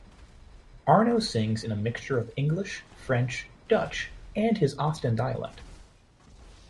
Arno sings in a mixture of English, French, Dutch and his Ostend dialect.